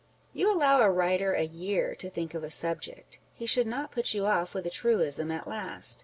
You allow a writer a year to think of a subject ; he should not put you off with a truism at last.